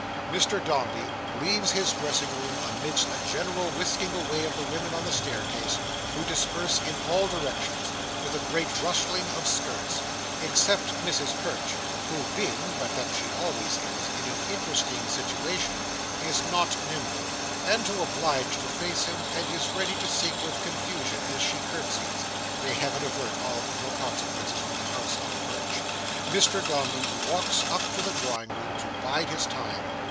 Mr Dombey leaves his dressing room, amidst a general whisking away of the women on the staircase, who disperse in all directions, with a great rustling of skirts, except Mrs Perch, who, being (but that she always is) in an interesting situation, is not nimble, and is obliged to face him, and is ready to sink with confusion as she curtesys;—may Heaven avert all evil consequences from the house of Perch! Mr Dombey walks up to the drawing room, to bide his time.